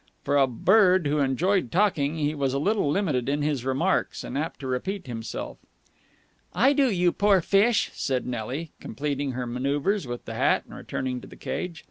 For a bird who enjoyed talking he was a little limited in his remarks and apt to repeat himself. "I do, you poor fish!" said Nelly, completing her manoeuvres with the hat and turning to the cage.